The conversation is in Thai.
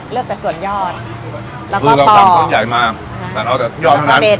เลือกแต่ส่วนยอดคือเราตามต้นใหญ่มากแต่เราจะยอดทั้งนั้น